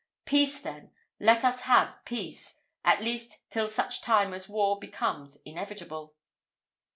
Peace, then! let us have peace! at least till such time as war becomes inevitable."